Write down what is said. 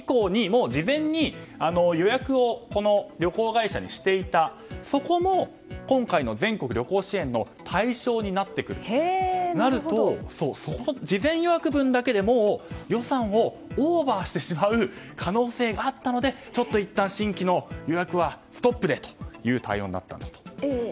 もう事前に予約を旅行会社にしていたそこも今回の全国旅行支援の対象になってくると事前予約分だけで、もう予算をオーバーしてしまう可能性があったのでちょっといったん新規の予約はストップでという対応になったと。